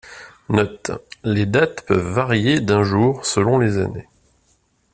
Note : les dates peuvent varier d’un jour selon les années.